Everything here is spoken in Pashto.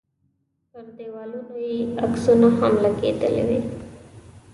پر دیوالونو یې عکسونه هم لګېدلي وي.